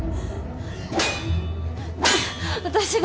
私が。